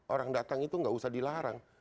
orang datang itu nggak usah dilarang